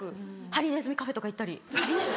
ハリネズミカフェとか行ったり。